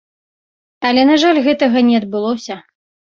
Але, на жаль, гэтага не адбылося.